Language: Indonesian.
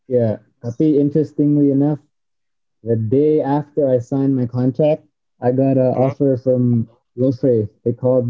ya tapi menariknya hari nanti aku tawarkan kontrak aku diterima pelayanan dari l occitane